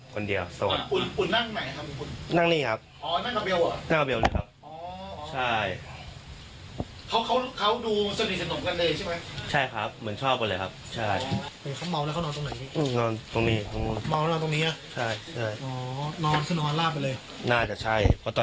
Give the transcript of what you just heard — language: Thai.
พี่ตีคนเดียวใช่คนเดียวส่วนอุ่นอุ่นนั่งไหนครับอุ่น